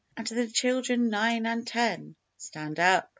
_And the children nine and ten, (Stand up!)